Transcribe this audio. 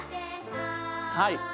はい。